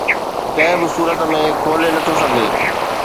ڪنهن به صورت ۾ کولي نه ٿو سگهي